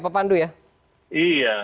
pak pandu ya iya